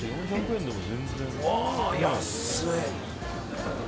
ああ、安い。